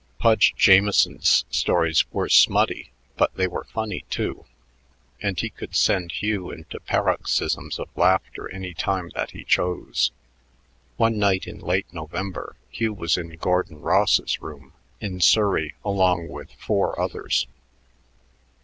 Pudge Jamieson's stories were smutty, but they were funny, too, and he could send Hugh into paroxysms of laughter any time that he chose. One night in late November Hugh was in Gordon Ross's room in Surrey along with four others.